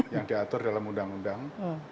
yang diatur dalam undang undang